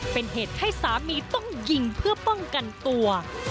เป็นเหตุให้สามีต้องยิงเพื่อป้องกันตัว